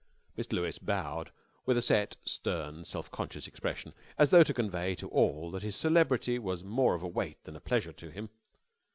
Mr. Lewes bowed with a set, stern, self conscious expression, as though to convey to all that his celebrity was more of a weight than a pleasure to him.